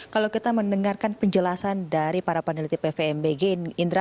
kalau kita mendengarkan penjelasan dari para peneliti pvmbg indra